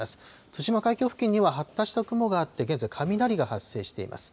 対馬海峡付近には発達した雲があって現在、雷が発生しています。